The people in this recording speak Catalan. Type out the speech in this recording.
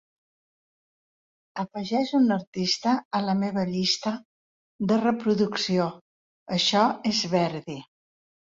Afegeix un artista a la meva llista de reproducció Això és Verdi